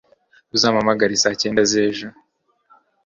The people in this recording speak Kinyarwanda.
Uzampamagare saa cyenda zejo